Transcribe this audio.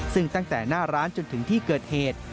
ซึ่งตั้งแต่หน้าร้านจนถึงที่เกิดเหตุ